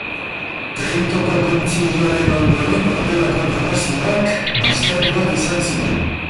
Trentoko Kontzilioaren ondoren horrelako narrazioak baztertuak izan ziren.